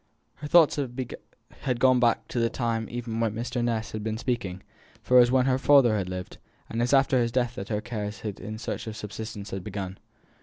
Her thoughts had gone back to this time even while Mr. Ness had been speaking; for it was there her father had lived, and it was after his death that her cares in search of a subsistence had begun.